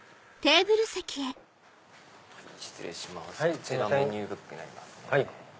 こちらメニューブックになりますね。